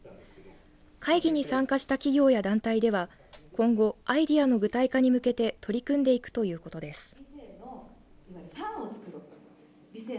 会議に参加した企業や団体では今後、アイデアの具体化に向けて取り組んでいくということです。